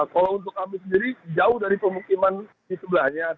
kalau untuk api sendiri jauh dari pemukiman di sebelahnya